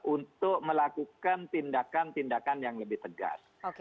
untuk melakukan tindakan tindakan yang lebih tegas